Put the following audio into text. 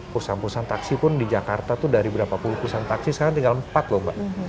perusahaan perusahaan taksi pun di jakarta tuh dari berapa puluh perusahaan taksi sekarang tinggal empat loh mbak